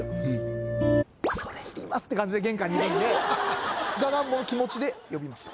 「恐れ入ります」って感じで玄関にいるんでががんぼの気持ちで詠みました。